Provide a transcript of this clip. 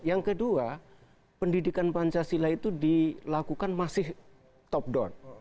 yang kedua pendidikan pancasila itu dilakukan masih top down